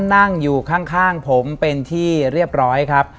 นั่งอยู่ข้างผมเป็นที่เรียบร้อยครับ